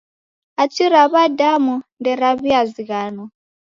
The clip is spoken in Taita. Hachi ra w'adamu nderaw'iazighanwa.